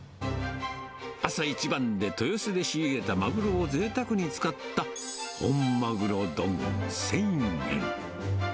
朝一番で豊洲で仕入れたマグロをぜいたくに使った、本まぐろ丼１０００円。